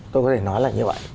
tôi có thể nói là như vậy